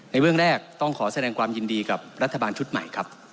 เรื่องแรกต้องขอแสดงความยินดีกับรัฐบาลชุดใหม่ครับ